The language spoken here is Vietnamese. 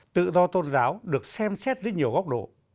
tự do tôn giáo được xem xét dưới nhiều góc độ